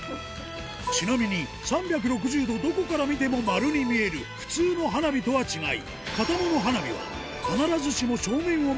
ちなみに３６０度どこから見ても丸に見える普通の花火とは違い